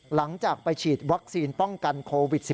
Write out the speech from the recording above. หลังจากไปฉีดวัคซีนป้องกันโควิด๑๙